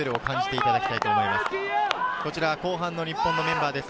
後半の日本のメンバーです。